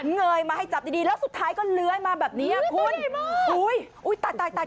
เงยมาให้จับดีแล้วสุดท้ายก็เล้ยมาแบบนี้หุ้ยใจเย็นมาก